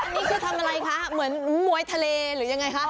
อันนี้คือทำอะไรคะเหมือนมวยทะเลหรือยังไงคะ